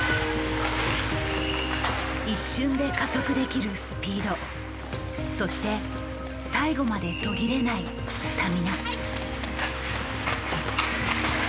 一瞬で加速できるスピードそして最後まで途切れないスタミナ。